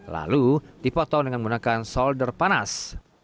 lalu dipotong dengan menggunakan solder panas